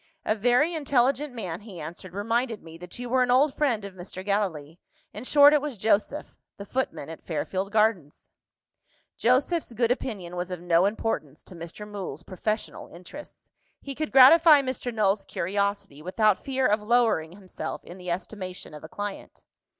"A very intelligent man," he answered, "reminded me that you were an old friend of Mr. Gallilee. In short, it was Joseph the footman at Fairfield Gardens." Joseph's good opinion was of no importance to Mr. Mool's professional interests. He could gratify Mr. Null's curiosity without fear of lowering himself in the estimation of a client.